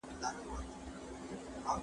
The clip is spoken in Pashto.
تکرار د زده کړې مور ده.